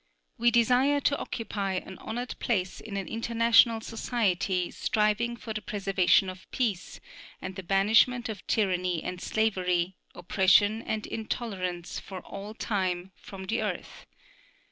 We desire to occupy an honored place in an international society striving for the preservation of peace, and the banishment of tyranny and slavery, oppression and intolerance for all time from the earth.